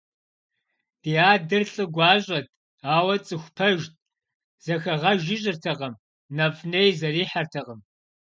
Ди адэр лӏы гуащӏэт, ауэ цӏыху пэжт, зэхэгъэж ищӏыртэкъым, нэфӏ-ней зэрихьэртэкъым.